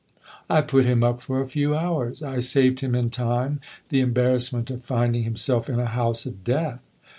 " I put him up for a few hours I saved him, in time, the embarrassment of finding himself in a house of death.